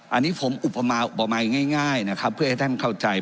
อันนี้ผมอุปมายง่ายนะครับเพื่อให้ท่านเข้าใจ